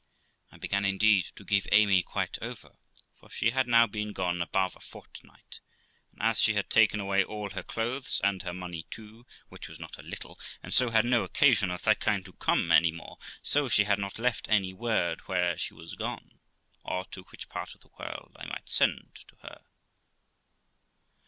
I began, indeed, to give Amy quite over, for she had now been gone above a fortnight, and, as she had taken away all her clothes, and her money too, which was not a little, and so had no occa sion of that kind to come any more, so she had not left any word where she was gone, or to which part of the world I might send to hear of her.